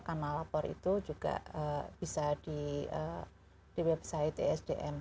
karena lapor itu juga bisa di website esdm